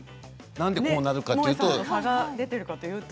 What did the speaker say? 何でこうなるというと。